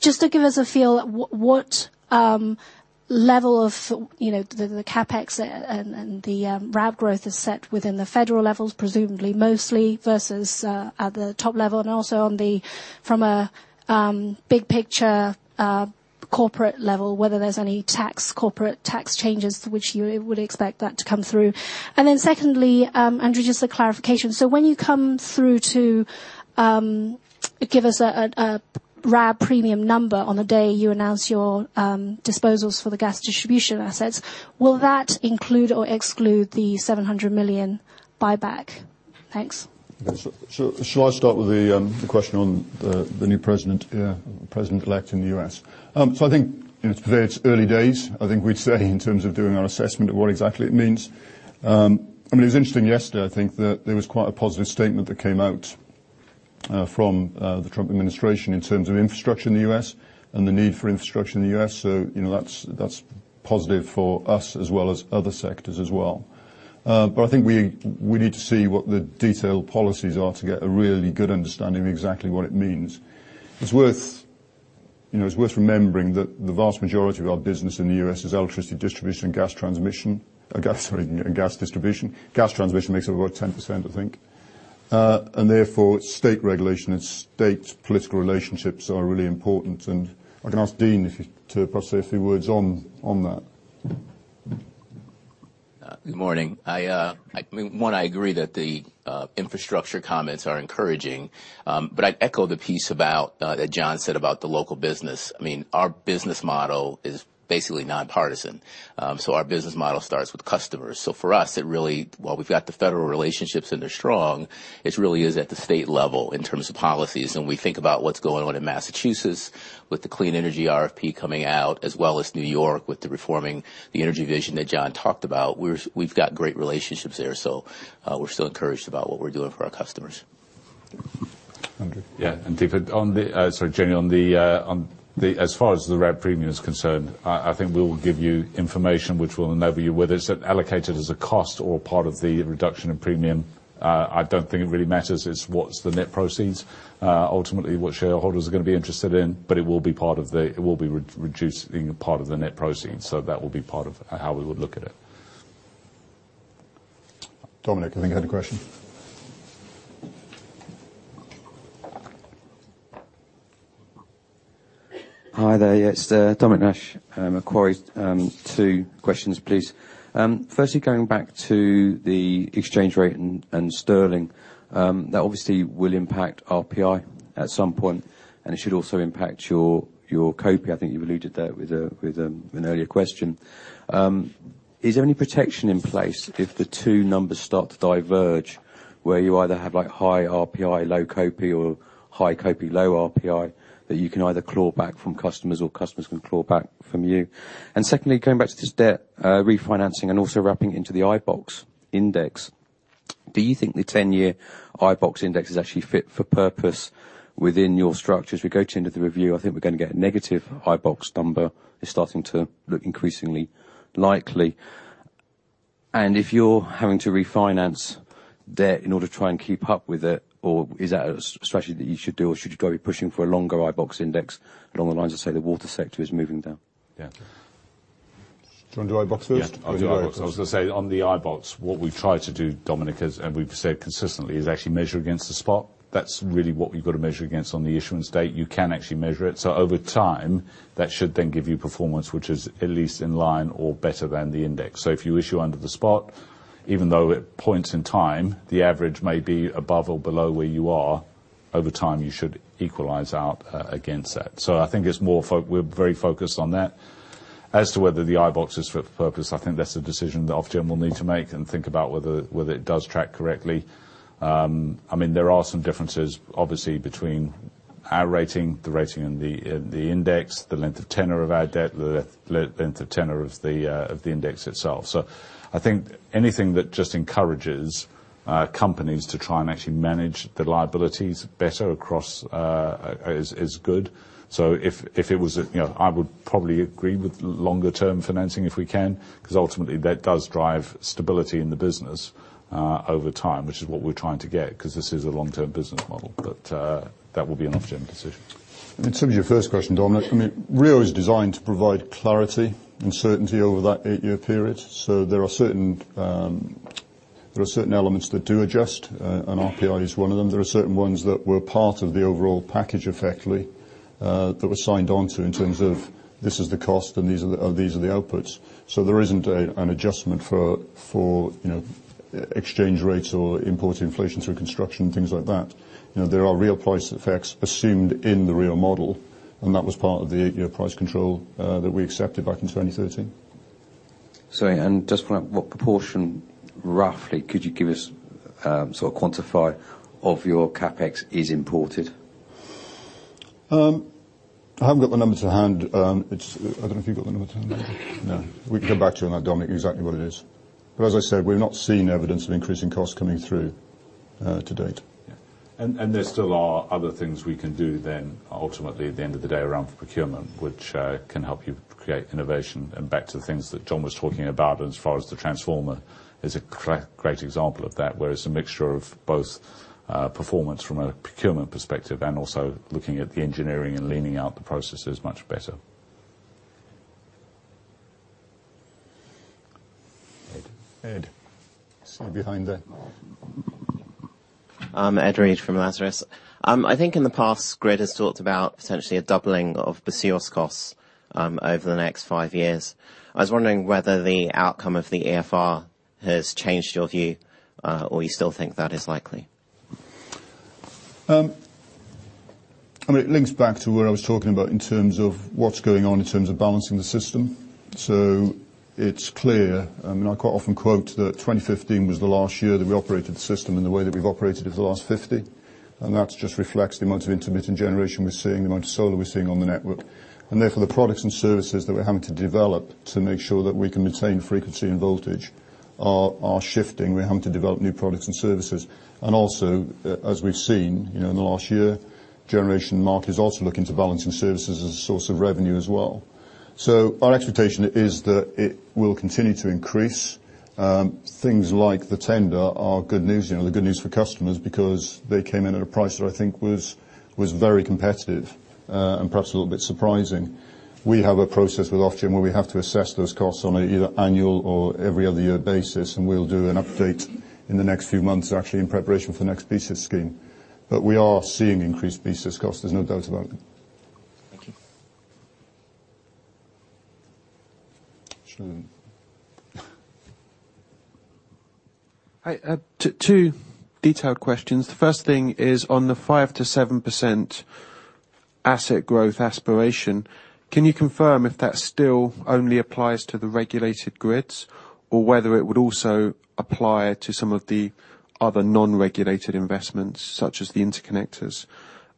just to give us a feel, what level of the CapEx and the RAB growth is set within the federal levels, presumably mostly versus at the top level and also from a big picture corporate level, whether there's any corporate tax changes to which you would expect that to come through. And then secondly, Andrew, just a clarification. So when you come through to give us a RAB premium number on the day you announce your disposals for the gas distribution assets, will that include or exclude the 700 million buyback? Thanks. So shall I start with the question on the new president-elect in the U.S.? So I think it's early days, I think we'd say, in terms of doing our assessment of what exactly it means. I mean, it was interesting yesterday, I think, that there was quite a positive statement that came out from the Trump administration in terms of infrastructure in the U.S. and the need for infrastructure in the U.S. So that's positive for us as well as other sectors as well. But I think we need to see what the detailed policies are to get a really good understanding of exactly what it means. It's worth remembering that the vast majority of our business in the U.S. is electricity distribution and gas transmission, sorry, gas distribution. Gas transmission makes up about 10%, I think. And therefore, state regulation and state political relationships are really important. I can ask Dean to perhaps say a few words on that. Good morning. I mean, one, I agree that the infrastructure comments are encouraging, but I'd echo the piece that John said about the local business. I mean, our business model is basically nonpartisan. Our business model starts with customers. For us, it really, well, we've got the federal relationships, and they're strong. It really is at the state level in terms of policies. When we think about what's going on in Massachusetts with the clean energy RFP coming out, as well as New York with the Reforming the Energy Vision that John talked about, we've got great relationships there. We're still encouraged about what we're doing for our customers. Yeah. And Deepa, sorry, Jenny, as far as the RAB premium is concerned, I think we will give you information which will enable you whether it's allocated as a cost or part of the reduction in premium. I don't think it really matters. It's what's the net proceeds, ultimately what shareholders are going to be interested in, but it will be part of the—it will be reducing part of the net proceeds. So that will be part of how we would look at it. Dominic, I think you had a question. Hi there. It's Dominic Nash. I'm from Macquarie. Two questions, please. Firstly, going back to the exchange rate and sterling, that obviously will impact RPI at some point, and it should also impact your capex. I think you've alluded to that with an earlier question. Is there any protection in place if the two numbers start to diverge where you either have high RPI, low CPI, or high CPI, low RPI that you can either claw back from customers or customers can claw back from you? And secondly, going back to this debt refinancing and also wrapping it into the iBoxx index, do you think the 10-year iBoxx index is actually fit for purpose within your structure? As we go to the end of the review, I think we're going to get a negative iBoxx number. It's starting to look increasingly likely. And if you're having to refinance debt in order to try and keep up with it, or is that a strategy that you should do, or should you go be pushing for a longer iBoxx index along the lines of, say, the water sector is moving down? Yeah. Do you want to do iBoxx first? Yeah. I'll do iBoxx. I was going to say on the iBoxx, what we try to do, Dominic, as we've said consistently, is actually measure against the spot. That's really what you've got to measure against on the issuance date. You can actually measure it. So over time, that should then give you performance which is at least in line or better than the index. So if you issue under the spot, even though at points in time, the average may be above or below where you are, over time, you should equalize out against that. So I think we're very focused on that. As to whether the iBoxx is fit for purpose, I think that's a decision that Ofgem will need to make and think about whether it does track correctly. I mean, there are some differences, obviously, between our rating, the rating and the index, the length of tenor of our debt, the length of tenor of the index itself. So I think anything that just encourages companies to try and actually manage the liabilities better across is good. So if it was, I would probably agree with longer-term financing if we can because ultimately, that does drive stability in the business over time, which is what we're trying to get because this is a long-term business model. But that will be an Ofgem decision. In terms of your first question, Dominic, I mean, RIIO is designed to provide clarity and certainty over that eight-year period. So there are certain elements that do adjust, and RPI is one of them. There are certain ones that were part of the overall package effectively that were signed onto in terms of, "This is the cost, and these are the outputs." So there isn't an adjustment for exchange rates or import inflation through construction and things like that. There are real price effects assumed in the real model, and that was part of the eight-year price control that we accepted back in 2013. Sorry, and just what proportion, roughly, could you give us, sort of quantify, of your CapEx is imported? I haven't got the number to hand. I don't know if you've got the number to hand. No. We can come back to you on that, Dominic, exactly what it is, but as I said, we've not seen evidence of increasing costs coming through to date. There still are other things we can do then, ultimately, at the end of the day, around procurement, which can help you create innovation. Back to the things that John was talking about, as far as the transformer is a great example of that, where it's a mixture of both performance from a procurement perspective and also looking at the engineering and leaning out the processes much better. Andrew from Lazard. I think in the past, Grid has talked about potentially a doubling of BSIS costs over the next five years. I was wondering whether the outcome of the EFR has changed your view or you still think that is likely. I mean, it links back to what I was talking about in terms of what's going on in terms of balancing the system. So it's clear. I mean, I quite often quote that 2015 was the last year that we operated the system in the way that we've operated it for the last 50, and that just reflects the amount of intermittent generation we're seeing, the amount of solar we're seeing on the network, and therefore, the products and services that we're having to develop to make sure that we can maintain frequency and voltage are shifting. We're having to develop new products and services, and also, as we've seen in the last year, generation market is also looking to balance services as a source of revenue as well, so our expectation is that it will continue to increase. Things like the tender are good news, the good news for customers because they came in at a price that I think was very competitive and perhaps a little bit surprising. We have a process with Ofgem where we have to assess those costs on an either annual or every other year basis, and we'll do an update in the next few months, actually, in preparation for the next BSIS scheme. But we are seeing increased BSIS costs. There's no doubt about it. Thank you. Two detailed questions. The first thing is on the 5%-7% asset growth aspiration, can you confirm if that still only applies to the regulated grids or whether it would also apply to some of the other non-regulated investments such as the interconnectors?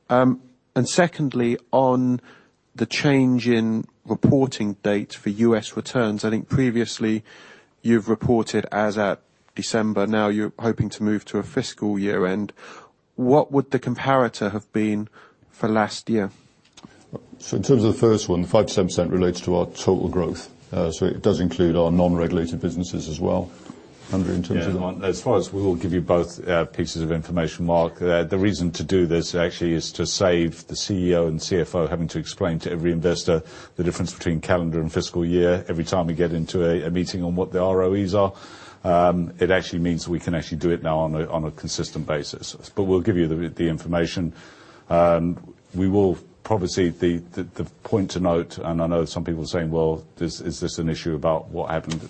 And secondly, on the change in reporting date for U.S. returns, I think previously you've reported as at December. Now you're hoping to move to a fiscal year-end. What would the comparator have been for last year? So in terms of the first one, the 5%-7% relates to our total growth. So it does include our non-regulated businesses as well. Andrew, in terms of Yeah. As far as we will give you both pieces of information, Mark, the reason to do this actually is to save the CEO and CFO having to explain to every investor the difference between calendar and fiscal year every time we get into a meeting on what the ROEs are. It actually means we can actually do it now on a consistent basis. But we'll give you the information. We will probably see the point to note, and I know some people are saying, "Well, is this an issue about what happened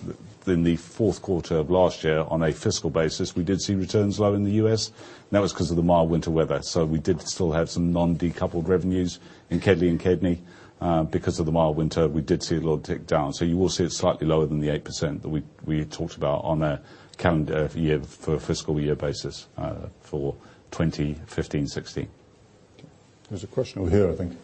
in the fourth quarter of last year?" On a fiscal basis, we did see returns low in the U.S. That was because of the mild winter weather. So we did still have some non-decoupled revenues in KEDLI and KEDNY because of the mild winter. We did see a little tick down. So you will see it slightly lower than the 8% that we talked about on a calendar year for a fiscal year basis for 2015-2016. There's a question over here, I think.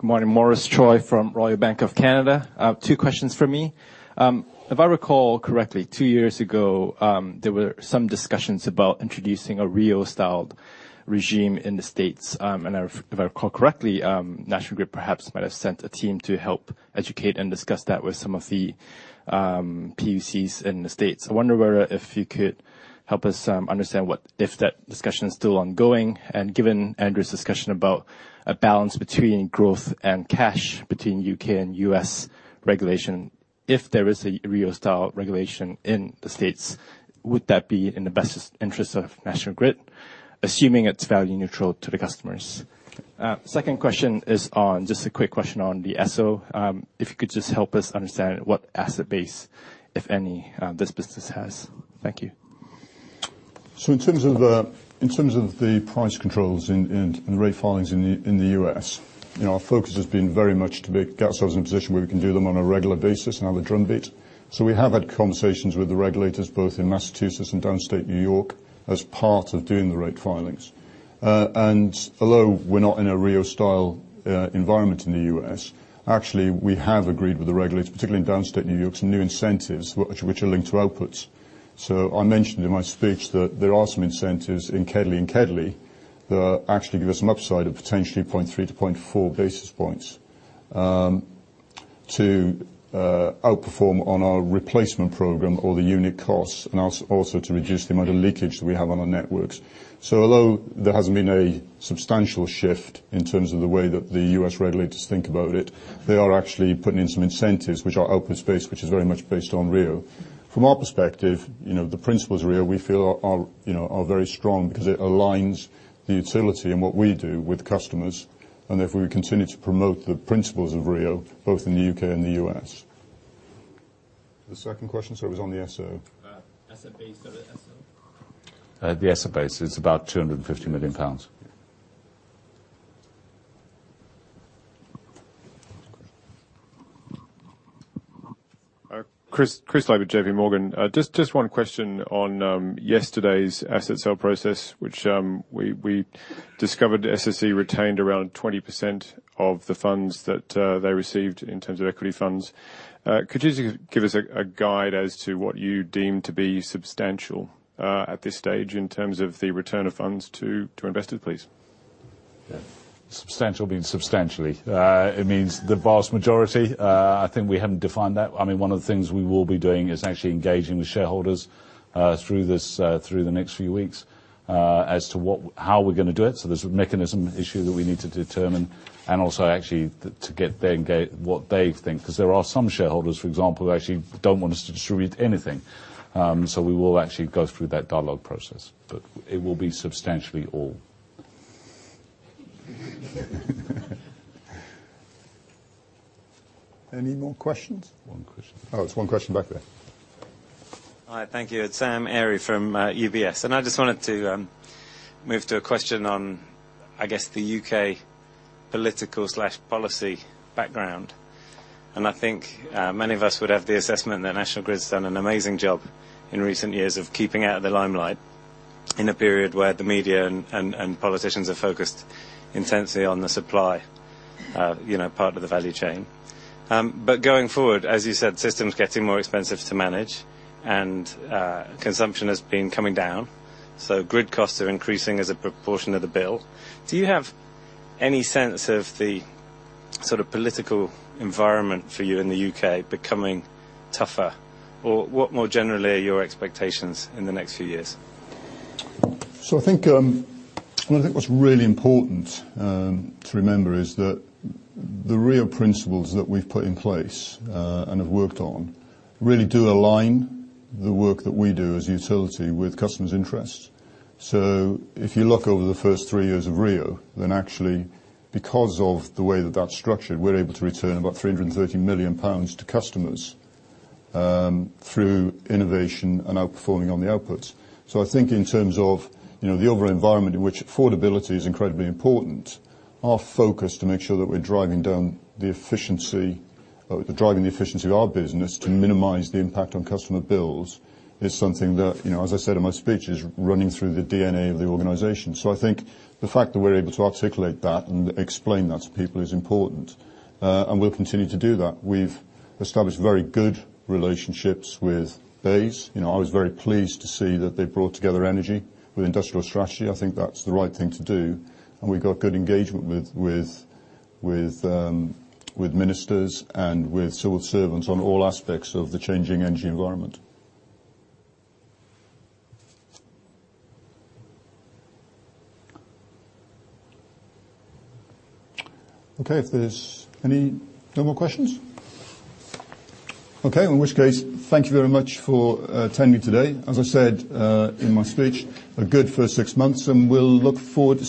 Good morning. Maurice Choy from Royal Bank of Canada. Two questions for me. If I recall correctly, two years ago, there were some discussions about introducing a RIIO-styled regime in the States. And if I recall correctly, National Grid perhaps might have sent a team to help educate and discuss that with some of the PUCs in the States. I wonder if you could help us understand if that discussion is still ongoing. Given Andrew's discussion about a balance between growth and cash between U.K. and U.S. regulation, if there is a RIIO-style regulation in the States, would that be in the best interest of National Grid, assuming it's value neutral to the customers? Second question is just a quick question on the ESO. If you could just help us understand what asset base, if any, this business has. Thank you. In terms of the price controls and the rate filings in the U.S., our focus has been very much to get ourselves in a position where we can do them on a regular basis and have a drumbeat. We have had conversations with the regulators, both in Massachusetts and downstate New York, as part of doing the rate filings. Although we're not in a RIIO-style environment in the U.S., actually, we have agreed with the regulators, particularly in downstate New York, some new incentives which are linked to outputs. I mentioned in my speech that there are some incentives in KEDLI and KEDNY that actually give us some upside of potentially 0.3-0.4 basis points to outperform on our replacement program or the unit costs and also to reduce the amount of leakage that we have on our networks. Although there hasn't been a substantial shift in terms of the way that the U.S. regulators think about it, they are actually putting in some incentives which are outputs-based, which is very much based on RIIO. From our perspective, the principles of RIIO, we feel, are very strong because it aligns the utility and what we do with customers. If we continue to promote the principles of RIIO, both in the U.K. and the U.S.. The second question, so it was on the ESO. The ESO base is about GBP 250 million. Chris Laybutt, JPMorgan. Just one question on yesterday's asset sale process, which we discovered SSE retained around 20% of the funds that they received in terms of equity funds. Could you give us a guide as to what you deem to be substantial at this stage in terms of the return of funds to investors, please? Substantial being substantially. It means the vast majority. I think we haven't defined that. I mean, one of the things we will be doing is actually engaging with shareholders through the next few weeks as to how we're going to do it. So there's a mechanism issue that we need to determine and also actually to get what they think. Because there are some shareholders, for example, who actually don't want us to distribute anything. So we will actually go through that dialogue process. But it will be substantially all. Any more questions? One question. Oh, it's one question back there. All right. Thank you. It's Sam Arie from UBS. And I just wanted to move to a question on, I guess, the U.K. political/policy background. And I think many of us would have the assessment that National Grid's done an amazing job in recent years of keeping out of the limelight in a period where the media and politicians are focused intensely on the supply part of the value chain. But going forward, as you said, systems are getting more expensive to manage, and consumption has been coming down. Grid costs are increasing as a proportion of the bill. Do you have any sense of the sort of political environment for you in the U.K. becoming tougher? Or what more generally are your expectations in the next few years? I think what's really important to remember is that the real principles that we've put in place and have worked on really do align the work that we do as a utility with customers' interests. If you look over the first three years of RIIO, then actually, because of the way that that's structured, we're able to return about 330 million pounds to customers through innovation and outperforming on the outputs. So I think in terms of the overall environment in which affordability is incredibly important, our focus to make sure that we're driving down the efficiency of our business to minimize the impact on customer bills is something that, as I said in my speech, is running through the DNA of the organization. So I think the fact that we're able to articulate that and explain that to people is important. And we'll continue to do that. We've established very good relationships with BEIS. I was very pleased to see that they brought together energy with industrial strategy. I think that's the right thing to do. And we've got good engagement with ministers and with civil servants on all aspects of the changing energy environment. Okay. If there's no more questions. Okay. In which case, thank you very much for attending today. As I said in my speech, a good first six months. And we'll look forward to.